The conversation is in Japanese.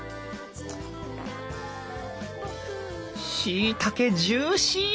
しいたけジューシー！